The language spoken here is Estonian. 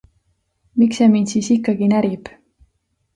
Miks see mind siis ikkagi närib?